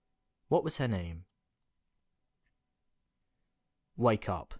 WHAT WAS HER NAME? "WAKE up!"